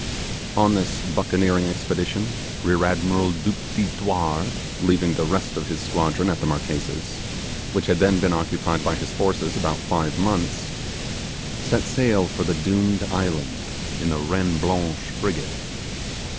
On this buccaneering expedition, Rear Admiral Du Petit Thouars, leaving the rest of his squadron at the Marquesas, which had then been occupied by his forces about five months set sail for the doomed island in the Reine Blanche frigate.